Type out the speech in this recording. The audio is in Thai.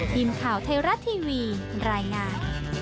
ทีมข่าวไทยรัฐทีวีรายงาน